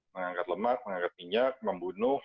mengangkat lemak mengangkat minyak membunuh